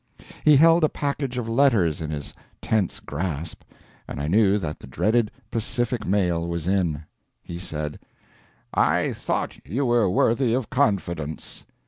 He held a package of letters in his tense grasp, and I knew that the dreaded Pacific mail was in. He said: "I thought you were worthy of confidence."